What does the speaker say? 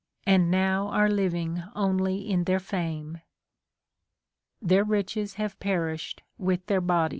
And now are living only in their fame. Theh riches have perished with their bodies.